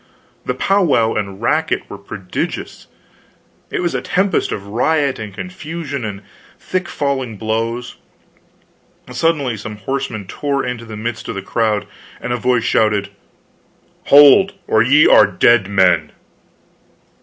The powwow and racket were prodigious; it was a tempest of riot and confusion and thick falling blows. Suddenly some horsemen tore into the midst of the crowd, and a voice shouted: "Hold or ye are dead men!"